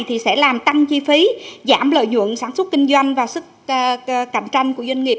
thì sẽ làm tăng chi phí giảm lợi nhuận sản xuất kinh doanh và sức cạnh tranh của doanh nghiệp